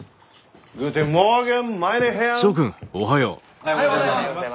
おはようございます！